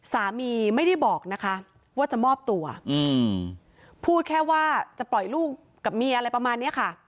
สามีไม่ได้บอกนะคะว่าจะมอบตัวพูดแค่ว่าจะปล่อยลูกกับเมียอะไรประมาณนี้ค่ะ